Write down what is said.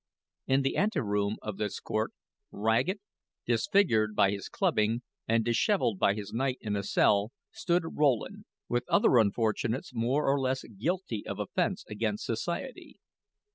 In the anteroom of this court, ragged, disfigured by his clubbing, and disheveled by his night in a cell, stood Rowland, with other unfortunates more or less guilty of offense against society.